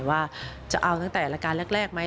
ว่าจะเอาตั้งแต่อันดักการณ์แรกไหม